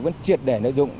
vẫn triệt để nội dung